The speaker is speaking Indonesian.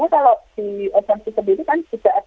kalau di smc sendiri kan tidak ada pki